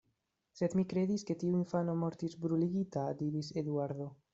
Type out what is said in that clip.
Sed mi kredis, ke tiu infano mortis bruligita, diris Eduardo.